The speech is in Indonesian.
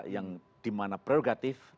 yang dimana prerogatif